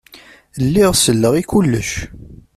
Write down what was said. Lliɣ selleɣ i kullec.